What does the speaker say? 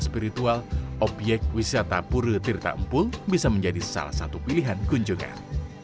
spiritual obyek wisata pura tirta empul bisa menjadi salah satu pilihan kunjungan